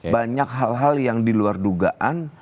banyak hal hal yang di luar dugaan